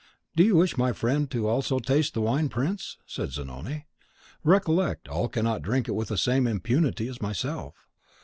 "Do you wish my friend also to taste the wine, prince?" said Zanoni. "Recollect, all cannot drink it with the same impunity as myself."